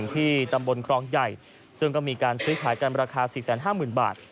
ที่ตำบลครองใหญ่ซึ่งก็มีการซื้อขายกันราคา๔๕๐๐๐บาท